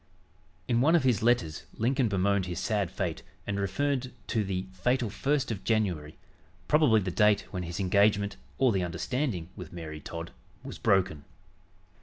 In one of his letters Lincoln bemoaned his sad fate and referred to "the fatal 1st of January," probably the date when his engagement or "the understanding" with Mary Todd was broken.